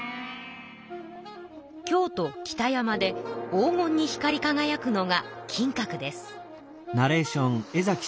京都・北山で黄金に光りかがやくのが金閣です。